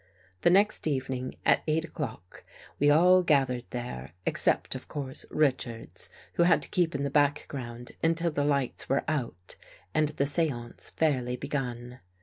The next evening, at eight o'clock, we all gath ered there, except, of course, Richards, who had to keep in the background until the lights were out and the seance fairly begun.